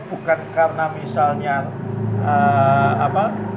bukan karena misalnya